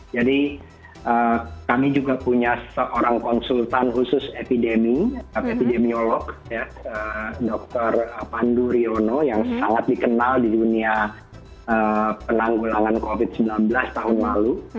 jadi kami juga punya seorang konsultan khusus epidemiolog dr pandu riono yang sangat dikenal di dunia penanggulangan covid sembilan belas tahun lalu